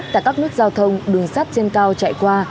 tại các nước giao thông đường sát trên cao chạy qua